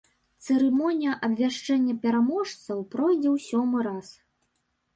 Цырымонія абвяшчэння пераможцаў пройдзе ў сёмы раз.